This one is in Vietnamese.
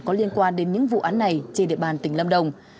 có liên quan đến những vụ án này trên địa bàn tỉnh lâm đồng